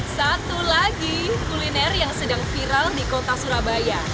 satu lagi kuliner yang sedang viral di kota surabaya